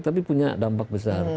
tapi punya dampak besar